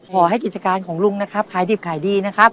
ขอให้กิจการของลุงนะครับขายดิบขายดีนะครับ